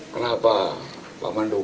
kenapa pak mandoklah